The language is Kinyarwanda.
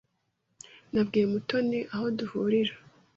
Nabwiye Mutoni aho duhurira.